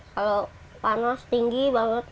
kalau panas tinggi banget